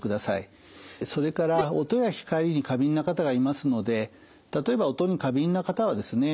それから音や光に過敏な方がいますので例えば音に過敏な方はですね